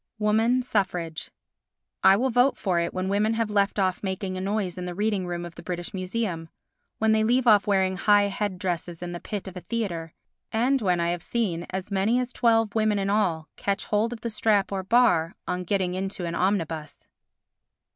Woman Suffrage I will vote for it when women have left off making a noise in the reading room of the British Museum, when they leave off wearing high head dresses in the pit of a theatre and when I have seen as many as twelve women in all catch hold of the strap or bar on getting into an omnibus.